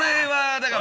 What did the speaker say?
だから！